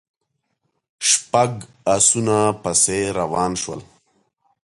شپږ آسونه پسې روان شول.